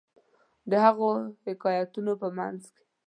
د هغو حکایتونو په منځ کې.